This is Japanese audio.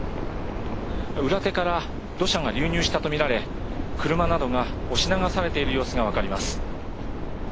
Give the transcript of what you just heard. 裏手から土砂が流入したとみられ車などが押し流されている様子がわかります。